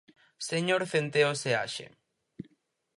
Señor Centeo Seaxe.